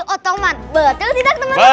otoman betul tidak temen temen